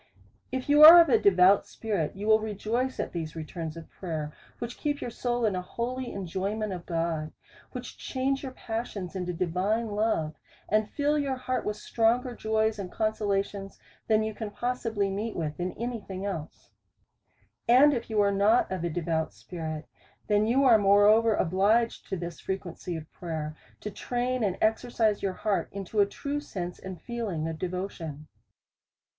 If you are of a devout spirit, you will rejoice at these returns of prayer, which keep your soul in an holy enjoyment of God ; wliich change your passions into divine love^. and fill your heart with stronger joys and consolations, than you can possibly meet with in any thing else. And if you are not of a devout spirit, then you are moreover obliged to this frequency of prayer, to train and exercise your heart into a true sense and feeling of devotion.